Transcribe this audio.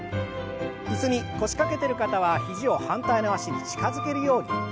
椅子に腰掛けてる方は肘を反対の脚に近づけるように。